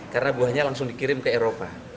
karena buahnya langsung dikirim ke eropa